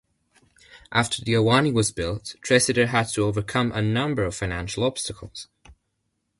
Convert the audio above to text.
After the Ahwahnee was built, Tresidder had to overcome a number of financial obstacles.